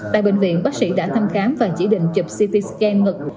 tại bệnh viện bác sĩ đã thăm khám và chỉ định chụp ct skm ngực